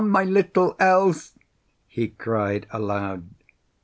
my little Else!" he cried aloud.